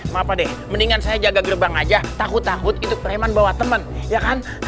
maaf mendingan saya jaga gerbang aja takut takut itu rehman bawa temen